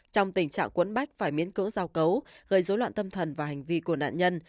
trong tình trạng cuốn bách phải miến cỡ giao cấu gây dối loạn tâm thần và hành vi của nạn nhân